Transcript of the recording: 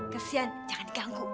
kesian jangan diganggu